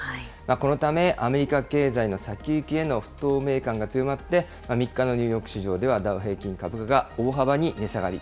このため、アメリカ経済の先行きへの不透明感が強まって、３日のニューヨーク市場では、ダウ平均株価が大幅に値下がり。